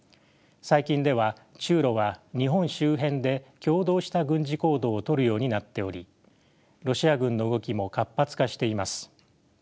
最近では中ロは日本周辺で共同した軍事行動をとるようになっておりロシア軍の動きも活発化しています。